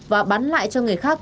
và bán lại cho người khác